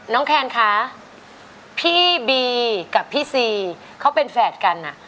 แคนคะพี่บีกับพี่ซีเขาเป็นแฝดกันอ่ะ